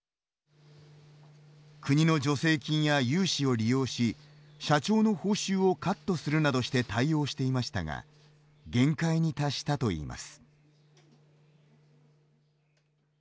国の助成金や融資を利用し社長の報酬をカットするなどして対応していましたが限界に達したといいます。